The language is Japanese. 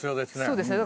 そうですね。